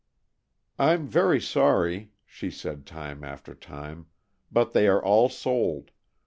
"I'm very sorry," she said time after time, "but they are all sold.